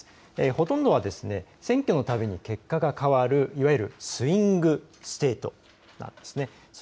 ほとんどは選挙のたびに結果が変わるいわゆるスイング・ステートなんですね。